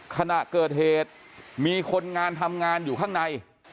ขณะเกิดเหตุมีคนงานทำงานอยู่ข้างใน